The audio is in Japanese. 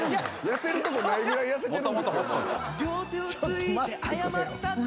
痩せるとこないぐらい痩せてる。